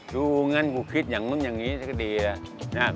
อยู่งั้นกูคิดอย่างมึงอย่างนี้ก็ดีแล้ว